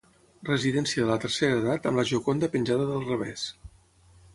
Residència de la tercera edat amb la Gioconda penjada del revés.